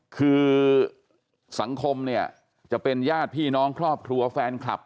คือสังคมเนี่ยจะเป็นญาติพี่น้องครอบครัวแฟนคลับ